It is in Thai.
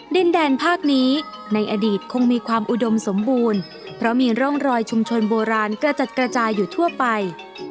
ดินแดนภาคนี้ในอดีตคงมีความอุดมสมบูรณ์เพราะมีร่องรอยชุมชนโบราณกระจัดกระจายอยู่ทั่วไป